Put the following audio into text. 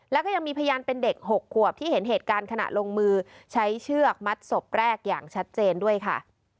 แล้วก็ยังมีพยานเป็นเด็ก๖ขวบที่เห็นเหตุการณ์ขณะลงมือใช้เชือกมัดศพแรกอย่างชัดเจนด้วยค่ะ